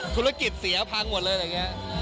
ธุรกิจเสียพังหมดเลยอะไรอย่างนี้